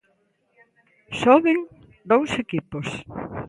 Soben dous equipos.